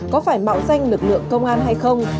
có phải mạo danh lực lượng công an hay không